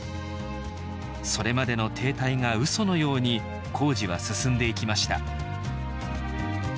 それまでの停滞がうそのように工事は進んでいきました